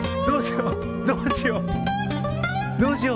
どうしよう」